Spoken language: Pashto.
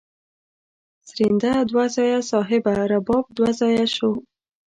سرینده دوه ځایه صاحبه رباب دوه ځایه شو.